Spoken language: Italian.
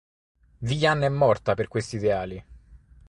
Viyan è morta per questi ideali.